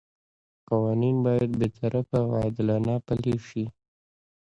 قوانین باید بې طرفه او عادلانه پلي شي.